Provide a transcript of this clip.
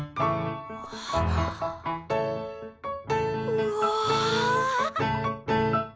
うわ！